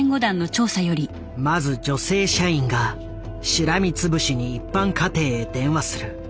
まず女性社員がしらみつぶしに一般家庭へ電話する。